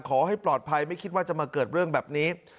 ขอให้ปลอดภัยไม่คิดว่าจะมาเกิดเรื่องแบบนี้